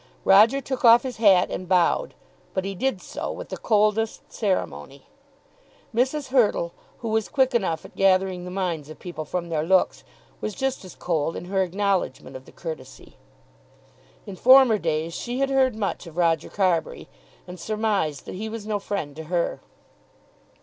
Roger took off his hat and bowed, but he did so with the coldest ceremony. Mrs. Hurtle, who was quick enough at gathering the minds of people from their looks, was just as cold in her acknowledgment of the courtesy. In former days she had heard much of Roger Carbury, and surmised that he was no friend to her.